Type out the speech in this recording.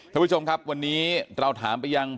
ท่านผู้ชมครับวันนี้เราถามไปยัง